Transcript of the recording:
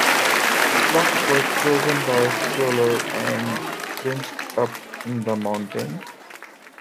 The blocks were chosen by Soler and winched up the mountain.